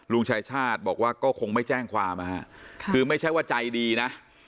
ลุงชายชาติบอกว่าก็คงไม่แจ้งความนะฮะคือไม่ใช่ว่าใจดีนะ